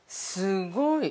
すごい。